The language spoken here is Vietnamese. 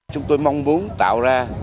chúng tôi mong muốn tạo ra